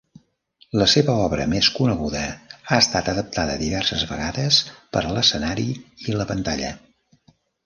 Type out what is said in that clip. La seva obra més coneguda, ha estat adaptada diverses vegades per a l'escenari i la pantalla.